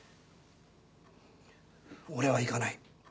俺は行かない。